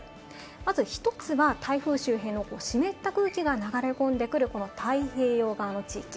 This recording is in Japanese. まず１つは台風周辺の湿った空気が流れ込んでくる、この太平洋側の地域。